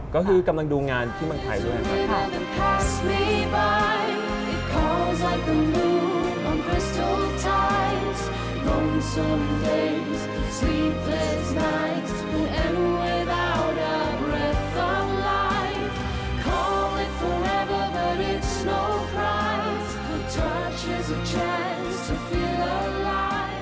ก็คือกำลังดูงานที่เมืองไทยด้วยครับ